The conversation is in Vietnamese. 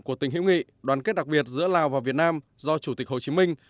của tình hữu nghị đoàn kết đặc biệt giữa lào và việt nam do chủ tịch hồ chí minh